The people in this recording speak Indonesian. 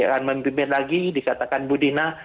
akan memimpin lagi dikatakan budina